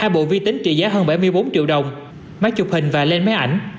hai bộ vi tính trị giá hơn bảy mươi bốn triệu đồng máy chụp hình và lên máy ảnh